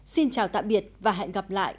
xin chào tạm biệt và hẹn gặp lại